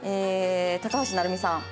高橋成美さん。